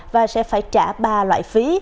và sẽ phải trả ba loại phí